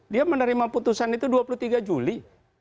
dia menerima putusan itu dua puluh tiga juli